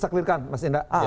saya klirkan mas indra